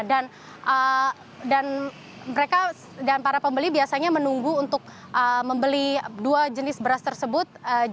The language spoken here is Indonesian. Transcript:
dan mereka dan para pembeli biasanya menunggu untuk membeli dua jenis beras tersebut